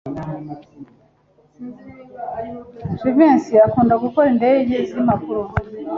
Jivency akunda gukora indege zimpapuro.